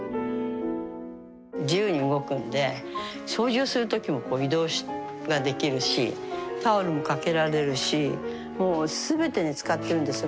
自由に動くんで掃除をする時も移動ができるしタオルもかけられるしもう全てに使ってるんです。